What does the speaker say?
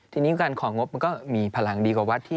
ทีนี้การของงบมันก็มีพลังดีกว่าวัดที่